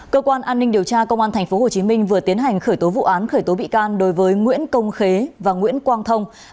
cơ quan an ninh điều tra công an tp hcm vừa tiến hành khởi tố vụ án khởi tố bị can đối với nguyễn công khế và nguyễn quang thông